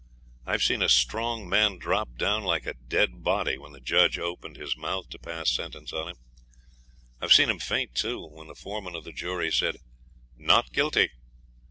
I've seen a strong man drop down like a dead body when the judge opened his mouth to pass sentence on him. I've seen 'em faint, too, when the foreman of the jury said 'Not guilty.'